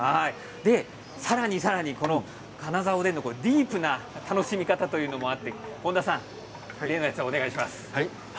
さらにさらに金沢おでんのディープな楽しみ方というのもあって本田さん例のものをお願いします。